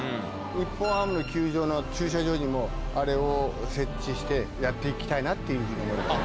日本ハムの球場の駐車場にもあれを設置してやって行きたいなっていうふうに思いました。